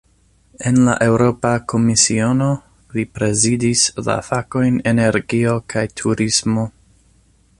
En la Eŭropa Komisiono, li prezidis la fakojn "energio kaj turismo".